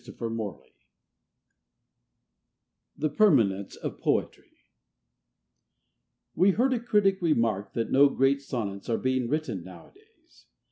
THE PERMANENCE OF POETRY We heard a critic remark that no great sonnets are being written nowadays.